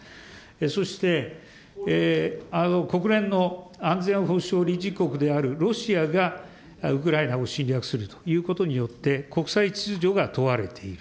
そして、国連の安全保障理事国であるロシアがウクライナを侵略するということによって、国際秩序が問われている。